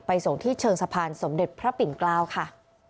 ส่งที่เชิงสะพานสมเด็จพระปิ่นเกล้าค่ะ